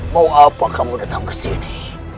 mau apa kamu datang ke sini